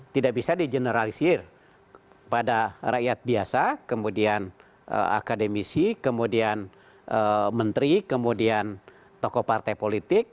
tidak bisa di generalisir pada rakyat biasa kemudian akademisi kemudian menteri kemudian tokoh partai politik